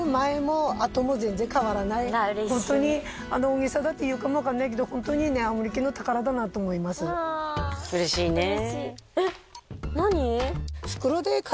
ホントに大げさだって言うかも分かんないけどホントにね青森県の宝だなと思います嬉しいね嬉しいえっ何？